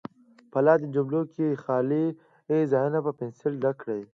په لاندې جملو کې خالي ځایونه په پنسل ډک کړئ.